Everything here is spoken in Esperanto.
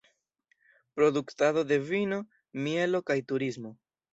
Produktado de vino, mielo kaj turismo.